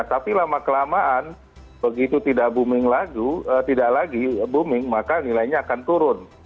tapi lama kelamaan begitu tidak booming lagi maka nilainya akan turun